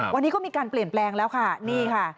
วันนี้ก็มีการเปลี่ยนแปลงแล้วค่ะนี่ค่ะ